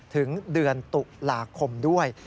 ถึงเดือนตุลาคมด้วย